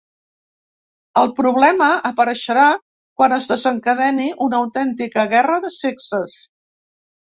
El problema apareixerà quan es desencadeni una autèntica guerra de sexes.